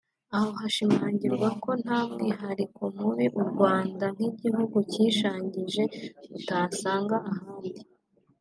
aho hashimangirwaga ko nta mwihariko mubi u Rwanda nk’igihugu kishangije utasanga ahandi